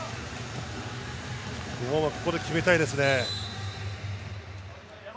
日本はここで決めたいですね。